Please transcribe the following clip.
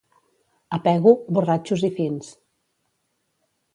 A Pego, borratxos i fins.